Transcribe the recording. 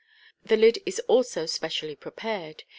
The lid is also specially prepared.